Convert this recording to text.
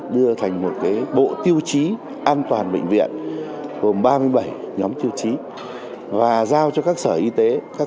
đưa thành một bộ tiêu chí an toàn bệnh viện gồm ba mươi bảy nhóm tiêu chí và giao cho các sở y tế